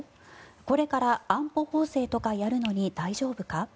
これから安保法制とかやるのに大丈夫か。